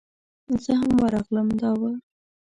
زه هم ورغلم دا و.